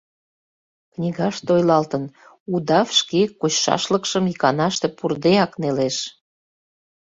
Книгаште ойлалтын: «Удав шке кочшашлыкшым иканаште, пурдеак, нелеш.